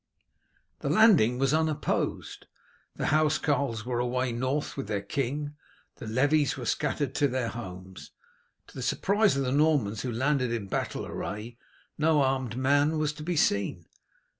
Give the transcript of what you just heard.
The landing was unopposed; the housecarls were away north with their king, the levies were scattered to their homes. To the surprise of the Normans who landed in battle array no armed man was to be seen.